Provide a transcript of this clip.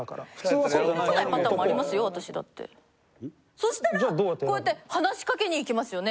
そしたらこうやって話しかけにいきますよね